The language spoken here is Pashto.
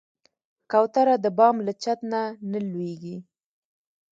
کوتره د بام له چت نه نه لوېږي.